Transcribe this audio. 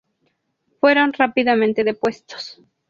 Fueron rápidamente depuestos.